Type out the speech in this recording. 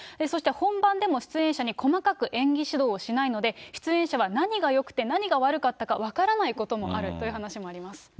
そして、本番でも出演者に細かく演技指導をしないので、出演者は何がよくて、何が悪かったか分からないこともあるという話もあります。